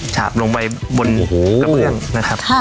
ฉาบลงไปบนกระเบื้องนะครับ